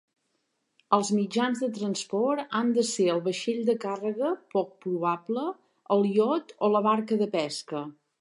Els mitjans de transport han de ser el vaixell de càrrega -poc probable- el iot o la barca de pesca.